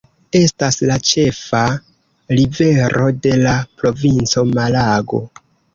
Estas la ĉefa rivero de la provinco Malago.